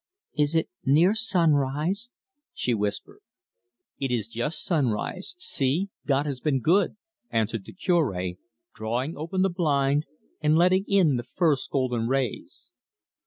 "Is it near sunrise?" she whispered. "It is just sunrise. See; God has been good," answered the Cure, drawing open the blind and letting in the first golden rays.